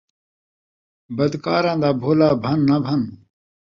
بدکاراں دا بھولا بھن نہ بھن